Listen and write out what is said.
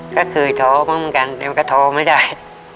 ก็เคยท้อบ้างเหมือนกันแต่มันก็ท้อไม่ได้